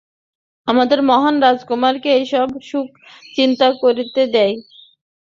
আমাদের মহান রাজকুমারকে এইসব সুখ চিন্তা করতে দেই।